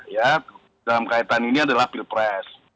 ya dalam kaitan ini adalah pilpres